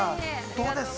どうです？